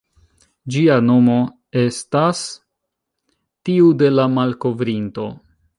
Ĝia nomo estas tiu de la malkovrinto.